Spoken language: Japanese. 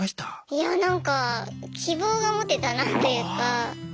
いやなんか希望が持てたなっていうか。